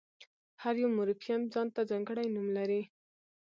هر یو مورفیم ځان ته ځانګړی نوم لري.